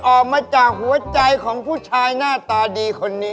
ออกมาจากหัวใจของผู้ชายหน้าตาดีคนนี้